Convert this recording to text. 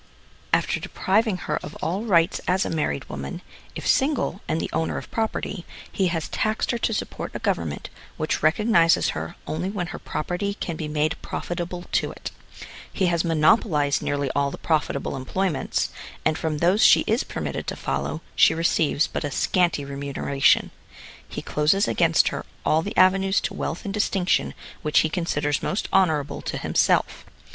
After depriving her of all rights as a married woman, if single, and the owner of property, he has taxed her to support a government which rec ognizes her only when her property can be made profitable to it. He has monopolized nearly all the profitable employments, and from those she is permitted to follow, she receives but a scanty remuneration. He closes against her all the avenues to wealth and distinction which he considers most honorable to himself.